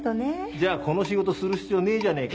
じゃあこの仕事する必要ねえじゃねぇか。